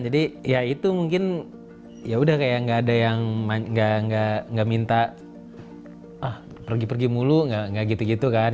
jadi ya itu mungkin ya udah kayak gak ada yang minta pergi pergi mulu gak gitu gitu kan